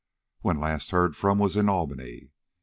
When last heard from was in Albany.